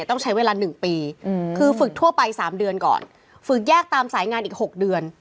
ต้องใช้เวลา๑ปีคือฝึกทั่วไป๓เดือนก่อนฝึกแยกตามสายงานอีก๖เดือน